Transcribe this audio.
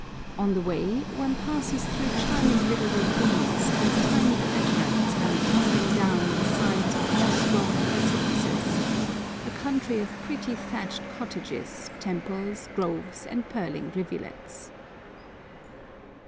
On the way one passes through charming little ravines, where tiny cataracts come tumbling down the sides of moss grown precipices, a country of pretty thatched cottages, temples, groves, and purling rivulets.